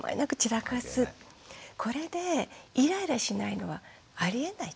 これでイライラしないのはありえない。